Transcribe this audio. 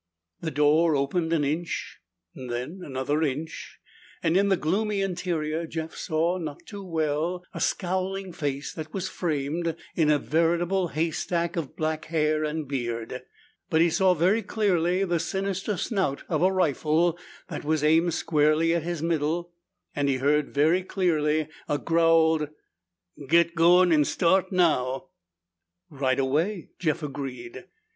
The door opened an inch, then another inch, and in the gloomy interior Jeff saw, not too well, a scowling face that was framed in a veritable haystack of black hair and beard. But he saw very clearly the sinister snout of a rifle that was aimed squarely at his middle and he heard very clearly a growled, "Git goin' an' start now!" "Right away," Jeff agreed.